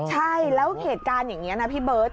ใช่แล้วเหตุการณ์อย่างนี้นะพี่เบิร์ต